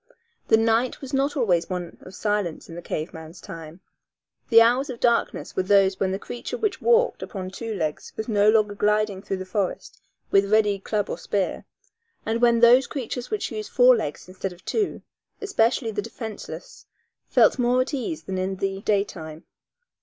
The night was not always one of silence in the cave man's time. The hours of darkness were those when the creature which walked upon two legs was no longer gliding through the forest with ready club or spear, and when those creatures which used four legs instead of two, especially the defenseless, felt more at ease than in the daytime.